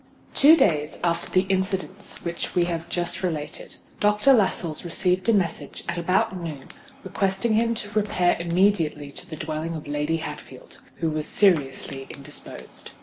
Two days after the incidents which we have just related, Dr. Lascelles received a message, at about noon, requesting him to repair immediately to the dwelling of Lady Hatfield, who was seriously indisposed.